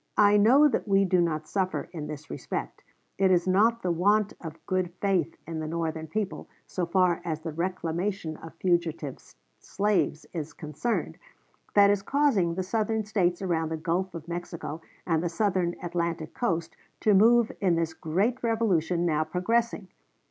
I know that we do not suffer in this respect; it is not the want of good faith in the Northern people, so far as the reclamation of fugitive slaves is concerned, that is causing the Southern States around the Gulf of Mexico and the Southern Atlantic coast to move in this great revolution now progressing.